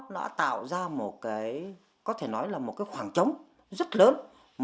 nó tạo ra một khoảng trống rất lớn